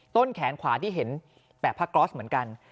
ต้นแขนขวาที่เห็นแบบผ้าก๊อสเหมือนกัน